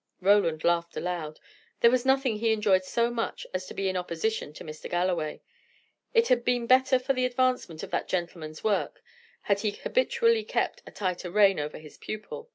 Roland laughed aloud; there was nothing he enjoyed so much as to be in opposition to Mr. Galloway; it had been better for the advancement of that gentleman's work, had he habitually kept a tighter rein over his pupil.